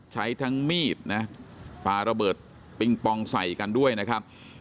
ใช้ทั้งมีดนะปาระเบิดปิงปองใส่กันด้วยนะครับ